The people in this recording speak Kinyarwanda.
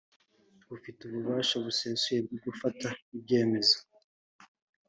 Rufite ububasha busesuye bwo gufata ibyemezo